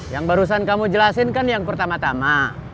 yang barusan kamu jelasin kan yang pertama tama